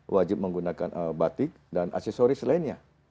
wajib menggunakan batik dan aksesoris lainnya